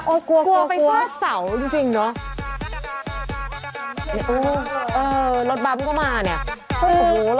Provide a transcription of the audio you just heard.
โอ๊ยกลัวกลัวไปฟ่าเสาจริงเนอะคุณค่ะ